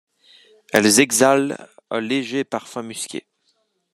Elles exhalent un léger parfum musqué.